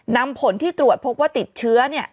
นำผลที่ตรวจพบว่าติดเชื้อ